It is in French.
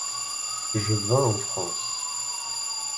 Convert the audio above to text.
Je vins en France.